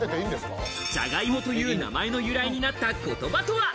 じゃがいもという名前の由来になった言葉とは？